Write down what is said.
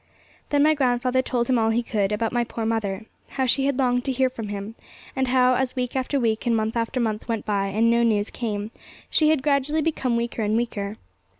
Then my grandfather told him all he could about my poor mother. How she had longed to hear from him; and how, as week after week and month after month went by, and no news came, she had gradually become weaker and weaker.